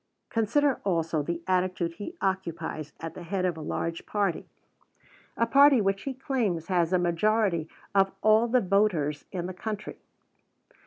Consider also the attitude he occupies at the head of a large party, a party which he claims has a majority of all the voters in the country.